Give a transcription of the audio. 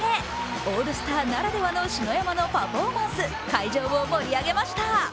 オールスターならではの篠山のパフォーマンス、会場を盛り上げました。